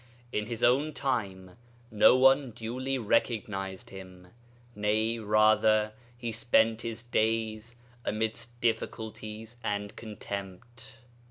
In his own time no one duly recognized him; nay, rather, he spent his days amidst difficulties and contempt.